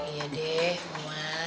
iya deh mama